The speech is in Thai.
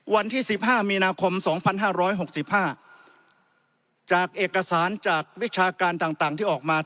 วันที่๑๕มีนาคม๒๕๖๕จากเอกสารจากวิชาการต่างที่ออกมา